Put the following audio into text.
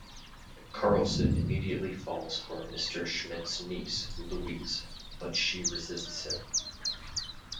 Carlson immediately falls for Mr. Schmidt's niece, Louise, but she resists him.